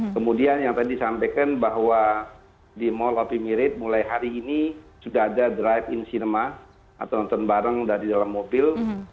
kemudian yang tadi disampaikan bahwa di mall opi mirate mulai hari ini sudah ada drive in cinema atau nonton bareng dari dalam mobil